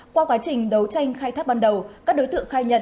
qua quá trình đấu tranh khai thác ban đầu các đối tượng khai nhận